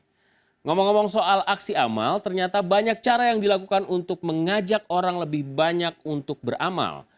nah ngomong ngomong soal aksi amal ternyata banyak cara yang dilakukan untuk mengajak orang lebih banyak untuk beramal